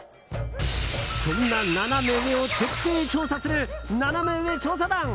そんなナナメ上を徹底調査するナナメ上調査団。